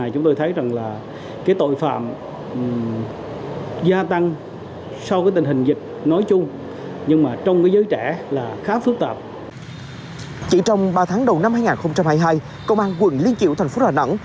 chỉ trong ba tháng đầu năm hai nghìn hai mươi hai công an quận liên triệu thành phố đà nẵng